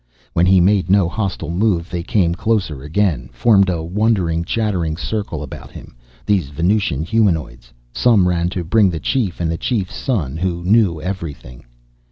When he made no hostile move, they came closer again, formed a wondering, chattering circle about him, these Venusian humanoids. Some ran to bring the chief and the chief's son, who knew everything.